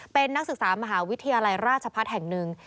เป็นนักศึกษามหาวิทยาลัยราชพัฒน์แห่งหนึ่ง